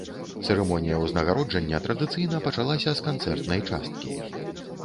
Цырымонія ўзнагароджання традыцыйна пачалася з канцэртнай часткі.